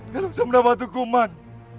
kalau saya mendapat hukuman